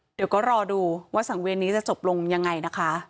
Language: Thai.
เดี๋ยวก็รอดูว่าสังเวียนี้จะจบลงยังไงนะคะ